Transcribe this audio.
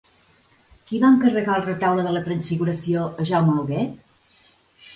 Qui va encarregar el Retaule de la Transfiguració a Jaume Huguet?